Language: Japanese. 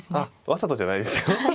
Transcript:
わざとじゃないですよ。